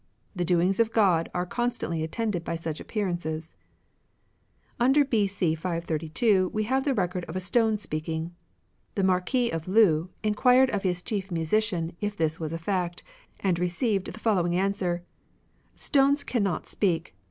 The doings of God are con stantly attended by such appearances." Under B.C. 632 we have the record of a stone speaking. The Marquis of Lu enquired of his chief musician if this was a fact, and received the following answer :" Stones cannot speak.